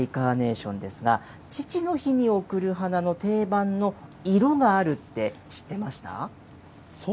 母の日の定番は赤いカーネーションですが、父の日に贈る花の定番の色があるって知ってました？